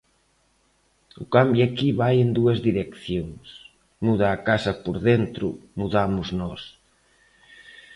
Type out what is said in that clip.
O cambio aquí vai en dúas direccións: muda a casa por dentro, mudamos nós.